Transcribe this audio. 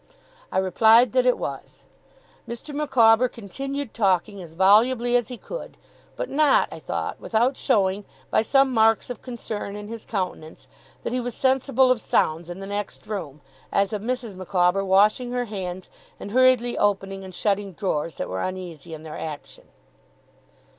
I replied that it was. Mr. Micawber continued talking as volubly as he could; but not, I thought, without showing, by some marks of concern in his countenance, that he was sensible of sounds in the next room, as of Mrs. Micawber washing her hands, and hurriedly opening and shutting drawers that were uneasy in their action.